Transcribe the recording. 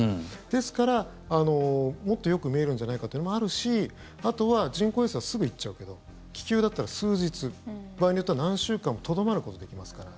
ですからもっとよく見えるんじゃないかというのもあるしあとは、人工衛星はすぐ行っちゃうけど気球だったら数日場合によっては何週間もとどまることができますから。